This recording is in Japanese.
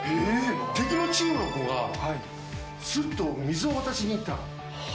敵のチームの子が、すっと水を渡しに行った。